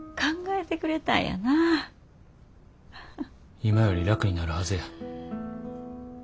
今より楽になるはずや。